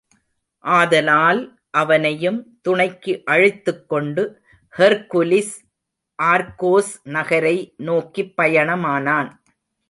ஆதலால் அவனையும் துணைக்கு அழைத்துக் கொண்டு, ஹெர்க்குலிஸ் ஆர்கோஸ் நகரை நோக்கிப் பயணமானான்.